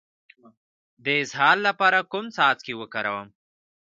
د اسهال لپاره کوم څاڅکي وکاروم؟